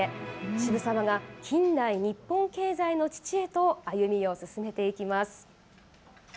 渋沢が近代日本経済の父へと歩みを進めていきます。